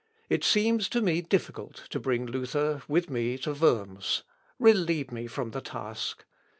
"It seems to me difficult to bring Luther with me to Worms; relieve me from the task.